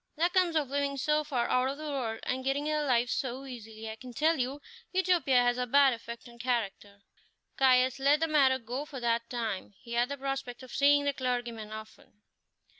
That comes of living so far out of the world, and getting their living so easily. I can tell you, Utopia has a bad effect on character." Caius let the matter go for that time; he had the prospect of seeing the clergyman often.